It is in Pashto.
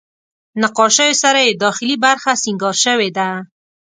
نقاشیو سره یې داخلي برخه سینګار شوې ده.